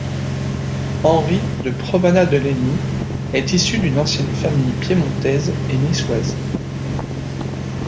Henri de Provana de Leyni est issu d'une ancienne famille piémontaise et niçoise.